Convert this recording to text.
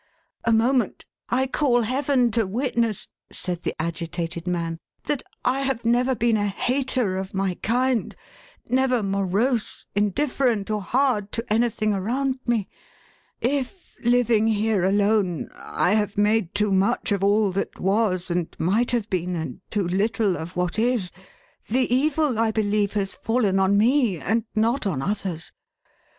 " A moment ! I call Heaven to witness," said the agitated man, " that I have never been a hater of my kind, — never morose, indifferent, or hard, to anything around me. If, living here alone, I have made too much of all that was and might have been, and too little of what is, the evil, I believe, has fallen on me, and not on others.